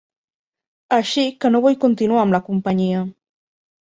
Així que no vull continuar amb la companyia.